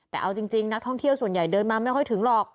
แต่เอาจริงนักท่องเที่ยวส่วนใหญ่เดินมาไม่ค่อยถึงหรอก